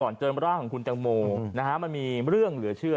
ก่อนเจอบรรว่าของคุณจังโมมันมีเรื่องเหลือเชื่อ